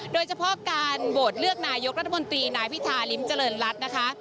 โดยเฉพาะการโหวตเลือกนายกรัฐมนตรีนายพิธาริมเจริญรัฐนะคะ